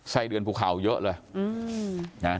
ไส้เดือนภูเขาเยอะเลยนะ